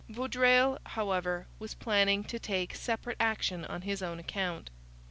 Vaudreuil, however, was planning to take separate action on his own account.